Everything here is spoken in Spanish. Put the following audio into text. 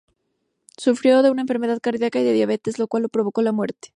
Sufrió de una enfermedad cardíaca y de diabetes, lo cual le provocó la muerte.